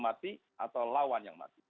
mati atau lawan yang mati